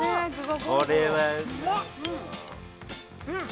◆これは、うまそう。